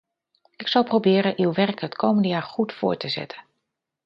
Ik zal proberen uw werk het komende jaar goed voort te zetten.